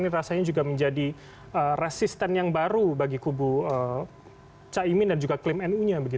ini rasanya juga menjadi resisten yang baru bagi kubu caimin dan juga klaim nu nya